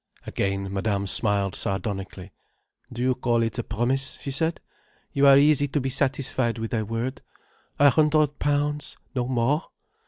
Again Madame smiled sardonically. "Do you call it a promise?" she said. "You are easy to be satisfied with a word. A hundred pounds? No more?"